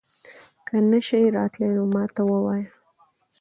که نه شې راتلی نو ما ته ووايه